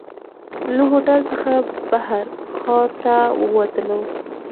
له هوټل څخه بهر ښار ته ووتلو.